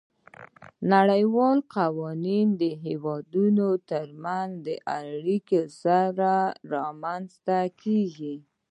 نړیوال قوانین د هیوادونو ترمنځ د اړیکو سره رامنځته کیږي